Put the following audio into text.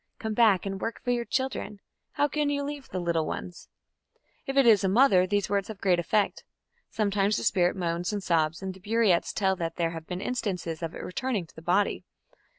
Come back and work for your children. How can you leave the little ones?" If it is a mother, these words have great effect; sometimes the spirit moans and sobs, and the Buriats tell that there have been instances of it returning to the body.